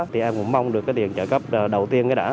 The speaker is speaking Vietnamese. thì em cũng mong được cái tiền chở cấp đầu tiên cái đã